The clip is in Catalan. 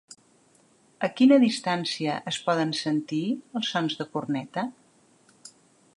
A quina distància es poden sentir els sons de corneta?